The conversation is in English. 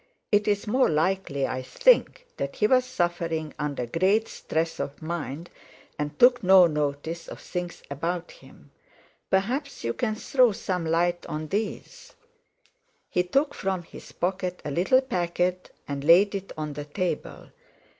It's more likely I think that he was suffering under great stress of mind, and took no notice of things about him. Perhaps you can throw some light on these." He took from his pocket a little packet and laid it on the table.